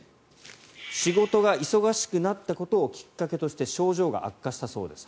仕事が忙しくなったことをきっかけとして症状が悪化したそうです。